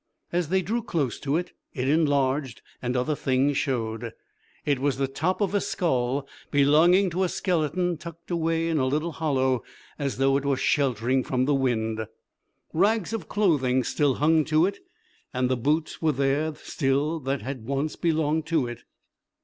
As they drew close to it it enlarged and other things shewed. It was the top of a skull belonging to a skeleton tucked away in a little hollow as though it were sheltering from the wind. Rags of clothing still hung to it and the boots were there still that had once belonged to it.